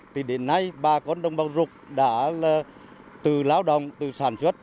thì đến nay bà con đồng bào dục đã là từ lao động từ sản xuất